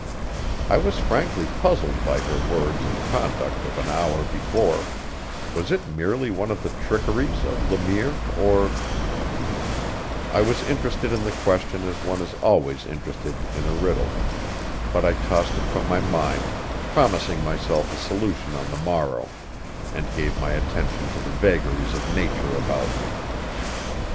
I was frankly puzzled by her words and conduct of an hour before; was it merely one of the trickeries of Le Mire or I was interested in the question as one is always interested in a riddle; but I tossed it from my mind, promising myself a solution on the morrow, and gave my attention to the vagaries of nature about me.